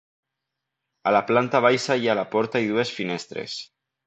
A la planta baixa hi ha la porta i dues finestres.